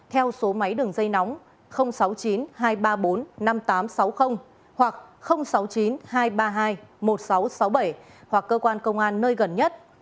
theo số máy đường dây nóng sáu mươi chín hai trăm ba mươi bốn năm nghìn tám trăm sáu mươi hoặc sáu mươi chín hai trăm ba mươi hai một nghìn sáu trăm sáu mươi bảy hoặc cơ quan công an nơi gần nhất